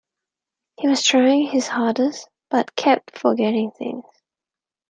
He was trying his hardest, but kept forgetting things.